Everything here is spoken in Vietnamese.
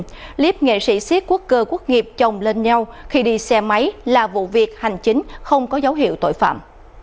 clip nghệ sĩ siết quốc cơ quốc nghiệp chồng lên nhau khi đi xe máy là vụ việc hành chính không có dấu hiệu tội phạm